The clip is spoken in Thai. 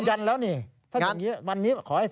ต้องยืดยันแล้วเนี่ย